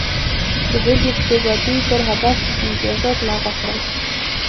د بېلګې په توګه دوی پر هدف امتیازات لغوه کړل